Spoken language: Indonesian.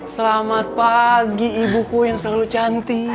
selamat pagi ibuku yang seru cantik